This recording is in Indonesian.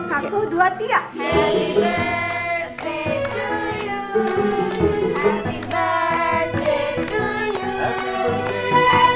satu dua tiga